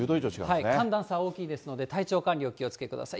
寒暖差大きいですので、体調管理、お気をつけください。